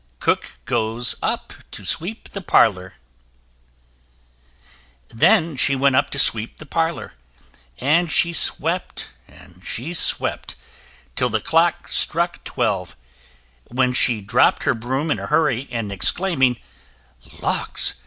[Illustration: Cook goes up to sweep the Parlor] Then she went up to sweep the parlor, and she swept and she swept till the clock struck twelve, when she dropped her broom in a hurry, and exclaiming, "Lawks!